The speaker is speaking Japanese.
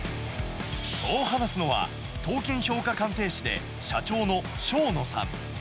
そう話すのは、刀剣評価鑑定士で、社長の生野さん。